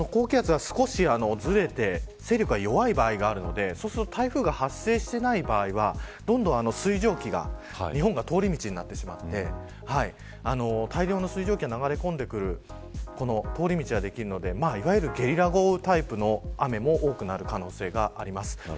この高気圧が少しずれて勢力が弱い場合があるのでそうすると台風が発生していない場合はどんどん水蒸気が日本は通り道になってしまって大量の水蒸気が流れ込んでくるこの通り道ができるのでいわゆるゲリラ豪雨タイプの雨も多くなる可能性があります。